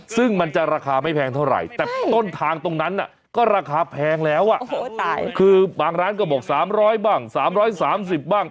ซึ่งมันจะราคาไม่แพงเท่าไหร่แต่ต้นทางตรงนั้นก็ราคาแพงแล้วอ่ะคือบางร้านก็บอก๓๐๐บ้าง๓๓๐บ้าง